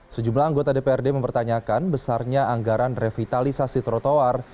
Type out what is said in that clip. sejumlah anggota dprd mempertanyakan besarnya anggaran revitalisasi trotoar